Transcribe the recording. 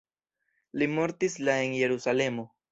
Li mortis la en Jerusalemo.